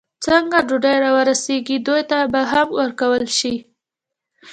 څنګه ډوډۍ را ورسېږي، دوی ته به هم ورکول شي.